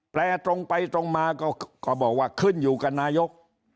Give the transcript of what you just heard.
ตรงไปตรงมาก็บอกว่าขึ้นอยู่กับนายก